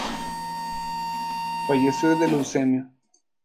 Falleció de leucemia.